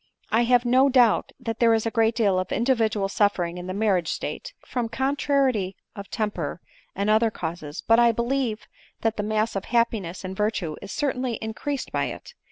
I have no doubt that there is a great deal of individual suffering in the marriage state, from contrariety of temper and other causes ; but I believe that the mass of happiness and virtue is certainly increased by it.